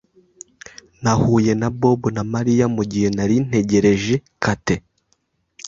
Nahuye na Bob na Mariya mugihe nari ntegereje Kate.